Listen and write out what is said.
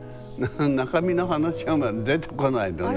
中身の話が出てこないのね。